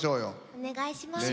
お願いします。